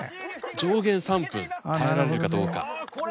上限３分耐えられるかどうか。